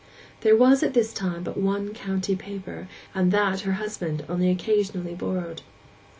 There was at this time but one county paper, and that her husband only occasionally borrowed.